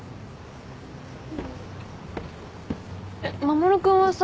守君はさ